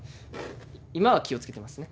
今は気をつけてますね。